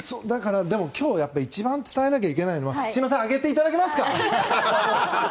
今日一番伝えなきゃいけないのはすみません上げていただけますか？